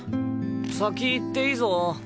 先行っていいぞ。